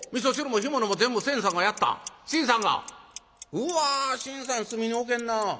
うわ信さん隅に置けんなあ。